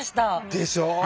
でしょ？